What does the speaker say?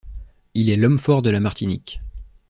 Il est l’homme fort de la Martinique.